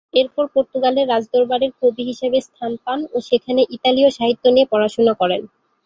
এরপর পর্তুগালের রাজদরবারের কবি হিসেবে স্থান পান ও সেখানে ইতালীয় সাহিত্য নিয়ে পড়াশোনা করেন।